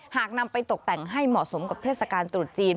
หากนำไปตกแต่งให้เหมาะสมกับเทศกาลตรุษจีน